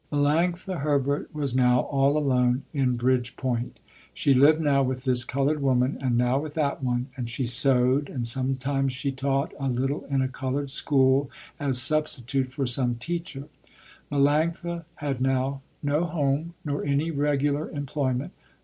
Melanctha Herbert was now, all alone, in Bridgepoint. She lived now with this colored woman and now with that one, and she sewed, and sometimes she taught a little in a colored school as substitute for some teacher. Melanctha had now no home nor any regular employment.